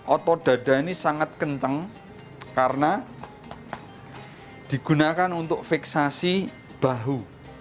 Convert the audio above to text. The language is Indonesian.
otot dada ini sangat kencang karena digunakan untuk fiksasi bahu